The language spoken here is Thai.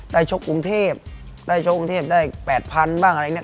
ชกกรุงเทพได้ชกกรุงเทพได้๘๐๐๐บ้างอะไรอย่างนี้